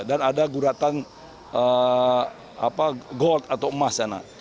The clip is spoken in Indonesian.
dan ada guratan gold atau emas sana